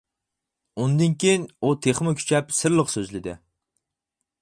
ئۇندىن كېيىن ئۇ تېخىمۇ كۈچەپ سىرلىق سۆزلىدى.